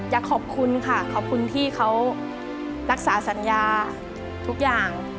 อยากขอบคุณค่ะขอบคุณที่เขารักษาสัญญาทุกอย่าง